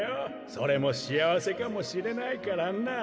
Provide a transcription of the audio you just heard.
それもしあわせかもしれないからなあ。